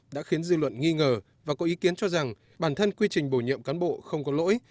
đã khiến dư luận nghi ngờ và có ý kiến cho rằng bản thân quy trình bổ nhiệm cán bộ không có lỗi